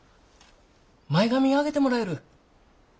前髪上げてもらえる？